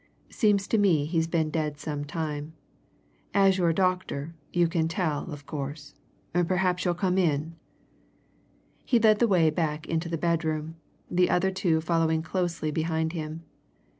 Seems to me he's been dead some time. As you're a doctor, you can tell, of course. Perhaps you'll come in?" He led the way back into the bedroom, the other two following closely behind him.